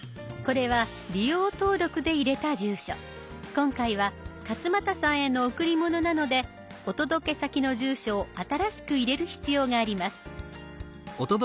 今回は勝俣さんへの贈り物なのでお届け先の住所を新しく入れる必要があります。